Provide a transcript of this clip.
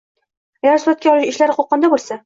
Agar suratga olish ishlari Qo‘qonda bo‘lsa.